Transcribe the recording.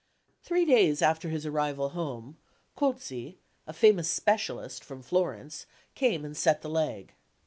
Three days after his arrival home, Colzi, a famous specialist from Florence, came and set the leg.